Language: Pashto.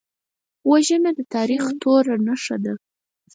وژنه د تاریخ توره نښه ده